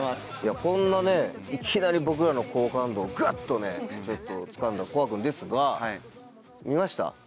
こんなねいきなり僕らの好感度をグッとつかんだＣｏｒｅ君ですが見ました？